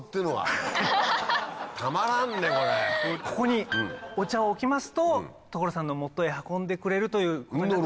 ここにお茶を置きますと所さんの元へ運んでくれると。